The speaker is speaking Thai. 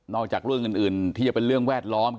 อกจากเรื่องอื่นที่จะเป็นเรื่องแวดล้อม